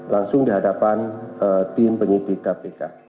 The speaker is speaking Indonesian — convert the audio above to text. langsung dihadapan tim penyidik kpk